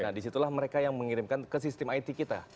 nah disitulah mereka yang mengirimkan ke sistem it kita